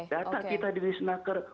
data kita di nisnaker